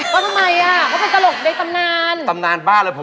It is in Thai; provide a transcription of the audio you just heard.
ก็ทำไมอ่ะเขาเป็นตลกในตำนานตำนานบ้านเลยผม